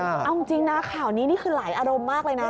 เอาจริงนะข่าวนี้นี่คือหลายอารมณ์มากเลยนะ